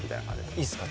いいっすか？